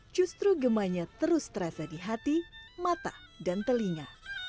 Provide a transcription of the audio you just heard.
justru gemahnya terus terasa di hati mata dan telinga